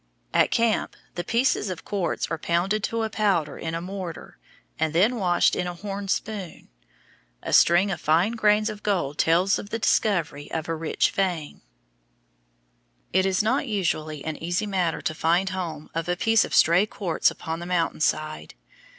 At camp, the pieces of quartz are pounded to a powder in a mortar and then washed in a horn spoon. A string of fine grains of gold tells of the discovery of a rich vein. [Illustration: FIG. 97. A PROSPECTOR'S CABIN IN THE ROCKY MOUNTAINS] It is not usually an easy matter to find home of a piece of stray quartz upon the mountain side.